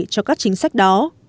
cho các chính sách đó